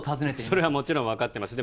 それはもちろん分かってます